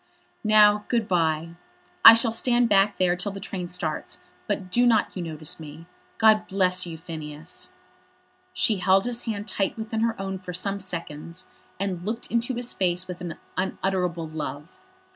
"Now, good bye. I shall stand back there till the train starts, but do not you notice me. God bless you, Phineas." She held his hand tight within her own for some seconds, and looked into his face with an unutterable love.